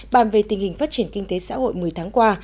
bàn về tình hình phát triển kinh tế xã hội một mươi tháng qua